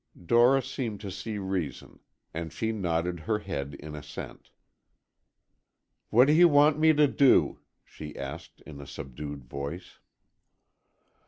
Dora seemed to see reason, and she nodded her head in assent. "What do you want me to do?" she asked, in a subdued voice.